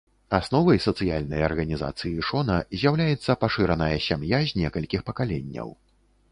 Асновай сацыяльнай арганізацыі шона з'яўляецца пашыраная сям'я з некалькіх пакаленняў.